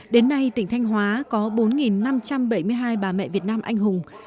đến nay tỉnh thanh hóa có bốn năm trăm bảy mươi hai bà mẹ việt nam anh hùng